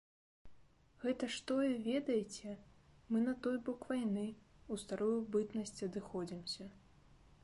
Гэта ж тое ведайце, мы на той бок вайны, у старую бытнасць адыходзімся.